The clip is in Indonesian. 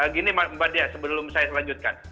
gini pak dike sebelum saya selanjutkan